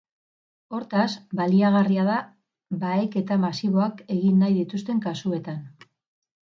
Hortaz, baliagarria da baheketa masiboak egin nahi dituzten kasuetan.